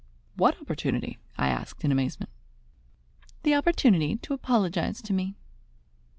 "What opportunity?" I asked in amazement. "The opportunity to apologize to me."